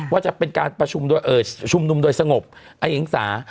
ว่าจะเป็นการชุมนุมโดยสงบไอ้หิงสา